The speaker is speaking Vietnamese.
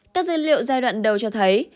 các dữ liệu giai đoạn đầu cho thấy